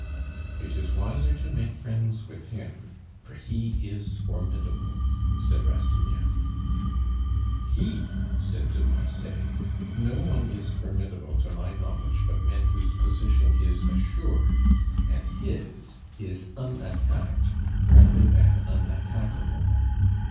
"It is wiser to make friends with him, for he is formidable," said Rastignac. "He?" said de Marsay. "No one is formidable to my knowledge but men whose position is assured, and his is unattacked rather than attackable!